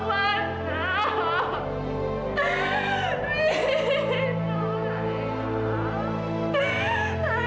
sayang mama gak mau bisa dari kamu